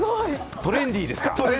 トレンディです。